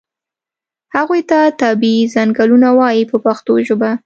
هغو ته طبیعي څنګلونه وایي په پښتو ژبه.